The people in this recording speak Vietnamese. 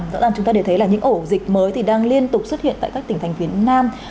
rõ ràng chúng ta để thấy là những ổ dịch mới thì đang liên tục xuất hiện tại các tỉnh thành phía nam